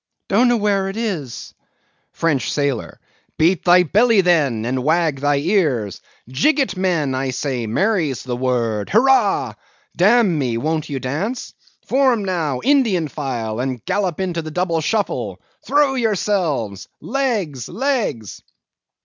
_) Don't know where it is. FRENCH SAILOR. Beat thy belly, then, and wag thy ears. Jig it, men, I say; merry's the word; hurrah! Damn me, won't you dance? Form, now, Indian file, and gallop into the double shuffle? Throw yourselves! Legs! legs!